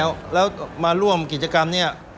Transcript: เห็นแล้วแล้วมาร่วมกิจกรรมเนี่ย